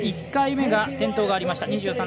１回目が転倒がありました。